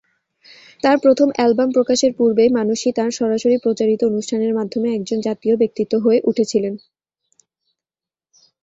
তাঁর প্রথম অ্যালবাম প্রকাশের পূর্বেই মানসী তাঁর সরাসরি প্রচারিত অনুষ্ঠানের মাধ্যমে একজন জাতীয় ব্যক্তিত্ব হয়ে উঠেছিলেন।